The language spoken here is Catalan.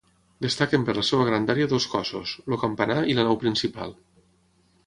Destaquen per la seva grandària dos cossos: el campanar i la nau principal.